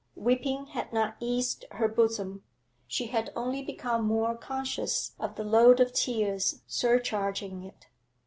Weeping had not eased her bosom; she had only become more conscious of the load of tears surcharging it.